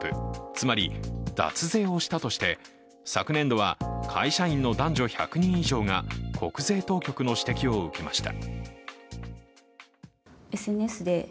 つまり脱税をしたとして昨年度は会社員の男女１００人以上が国税当局の指摘を受けました。